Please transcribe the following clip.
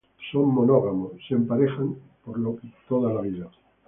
Son monógamos, se emparejan de por vida.